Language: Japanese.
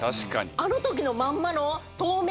あの時のまんまの。